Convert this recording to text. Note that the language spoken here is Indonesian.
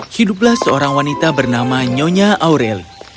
hiduplah seorang wanita bernama nyonya aurel